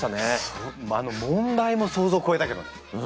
もうあの問題も想像を超えたけどね。